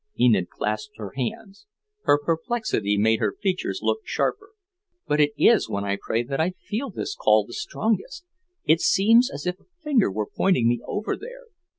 Enid clasped her hands; her perplexity made her features look sharper. "But it is when I pray that I feel this call the strongest. It seems as if a finger were pointing me over there.